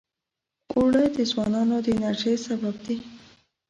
اوړه د ځوانانو د انرژۍ سبب دي